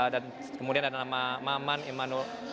dan kemudian ada nama maman imanul